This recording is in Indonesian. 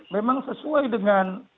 memang sesuai dengan